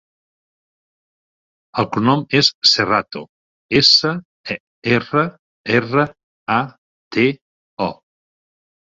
El cognom és Serrato: essa, e, erra, erra, a, te, o.